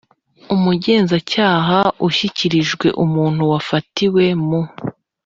Umugenzacyaha ushyikirijwe umuntu wafatiwe mu